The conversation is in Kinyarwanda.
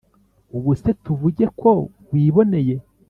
ubu se tuvuge ko wiboneye